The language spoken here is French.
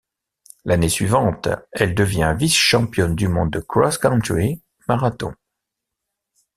L'année suivante, elle devient vice-championne du monde de cross-country marathon.